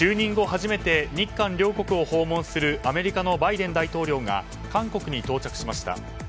初めて日韓両国を訪問するアメリカのバイデン大統領が韓国に到着しました。